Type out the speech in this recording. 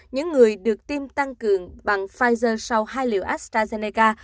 những người được tiêm tăng cường bằng pfizer sau hai liệu astrazeneca